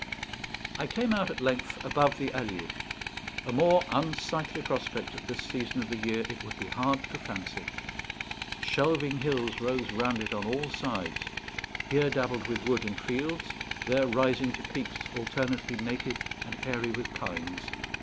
I came out at length above the Allier. A more unsightly prospect at this season of the year it would be hard to fancy. Shelving hills rose round it on all sides, here dabbled with wood and fields, there rising to peaks alternately naked and hairy with pines.